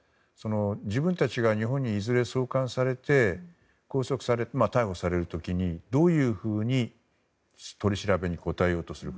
自分たちが日本にいずれ送還されて逮捕される時にどういうふうに取り調べに答えようとするか。